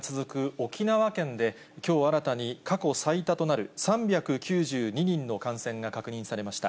沖縄県で、きょう新たに過去最多となる３９２人の感染が確認されました。